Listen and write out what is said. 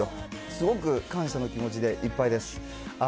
すごく感謝の気持ちでいっぱいです。